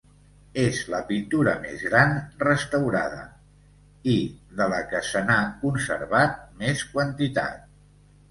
És la pintura més gran restaurada, i de la que se n'ha conservat més quantitat.